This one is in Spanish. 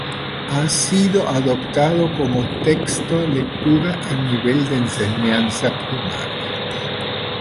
Ha sido adoptado como texto lectura a nivel de enseñanza primaria.